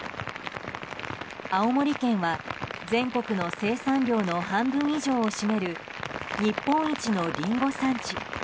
青森県は全国の生産量の半分以上を占める日本一のリンゴ産地。